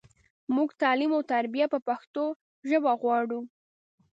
مونږ تعلیم او تربیه په پښتو ژبه غواړو.